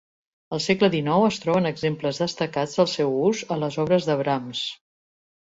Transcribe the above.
Al segle XIX es troben exemples destacats del seu ús a les obres de Brahms.